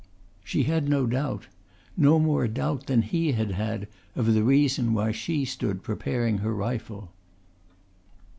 She had no doubt no more doubt than he had had of the reason why she stood preparing her rifle.